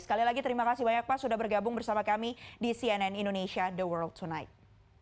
sekali lagi terima kasih banyak pak sudah bergabung bersama kami di cnn indonesia the world tonight